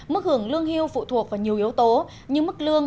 mức hưởng lương hưu phụ thuộc vào nhiều yếu tố